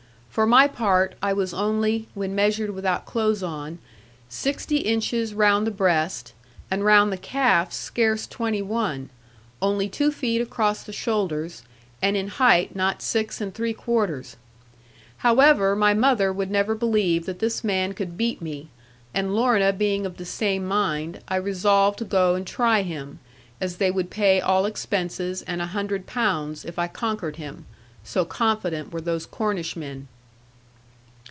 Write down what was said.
For my part, I was only, when measured without clothes on, sixty inches round the breast, and round the calf scarce twenty one, only two feet across the shoulders, and in height not six and three quarters. However, my mother would never believe that this man could beat me; and Lorna being of the same mind, I resolved to go and try him, as they would pay all expenses and a hundred pounds, if I conquered him; so confident were those Cornishmen.